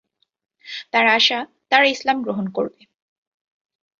তার আশা, তারা ইসলাম গ্রহণ করবে।